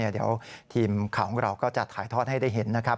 เดี๋ยวทีมข่าวของเราก็จะถ่ายทอดให้ได้เห็นนะครับ